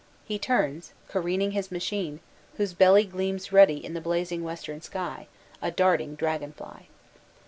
He turns, careening his machine, whose belly gleams ruddy in the blazing western sky, a darting dragon fly.